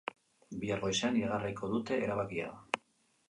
Bihar goizean iragarriko dute erabakia.